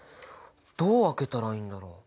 どう分けたらいいんだろう？